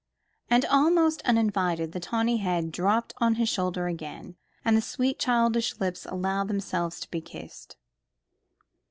And, almost uninvited, the tawny head dropped on to his shoulder again, and the sweet childish lips allowed themselves to be kissed.